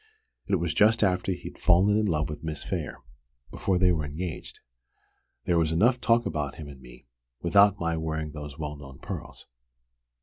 It was just after he'd fallen in love with Miss Phayre before they were engaged. There was enough talk about him and me, without my wearing those well known pearls.